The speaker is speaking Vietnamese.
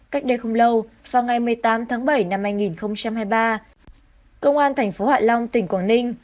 cách đây không lâu vào ngày một mươi tám tháng bảy năm hai nghìn hai mươi ba công an thành phố hạ long tỉnh quảng ninh